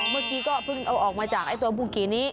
เมื่อกี้ก็เพิ่งเอาออกมาจากไอ้ตัวภูขี่นี้